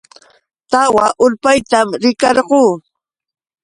Tawa urpaytam rikarquu.